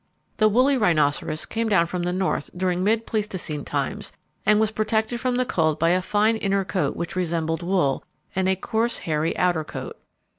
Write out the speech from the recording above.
The woolly rhinoceros came down from the north during mid Pleistocene times and was protected from the cold by a fine inner coat which resembled wool, and a coarse hairy outer coat.